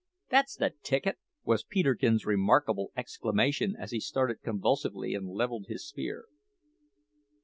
"That's the ticket!" was Peterkin's remarkable exclamation as he started convulsively and levelled his spear.